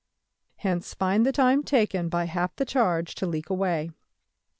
Hence find the time taken by half the charge to leak away.